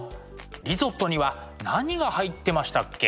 リゾットには何が入ってましたっけ？